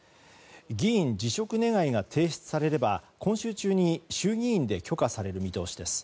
議員辞職願が提出されれば今週中に衆議院で許可される見通しです。